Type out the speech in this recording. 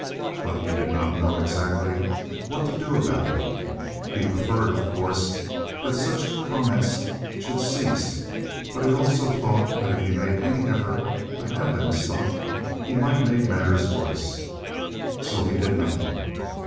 But he did not know exactly what to do about it. He preferred, of course, that such comments should cease, but he also thought that if he made any effort to have them stopped he might make matters worse. So he did nothing.